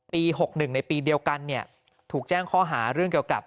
๖๑ในปีเดียวกันเนี่ยถูกแจ้งข้อหาเรื่องเกี่ยวกับ